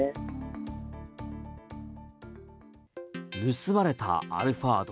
盗まれたアルファード。